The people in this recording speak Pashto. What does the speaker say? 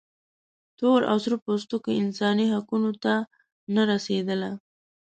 تور او سره پوستو انساني حقونو ته نه رسېدله.